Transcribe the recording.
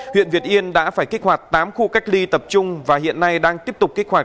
huyện việt yên đã phải kích hoạt tám khu cách ly tập trung và hiện nay đang tiếp tục kích hoạt